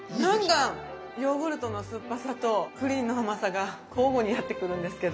ヨーグルトの酸っぱさとプリンの甘さが交互にやって来るんですけど。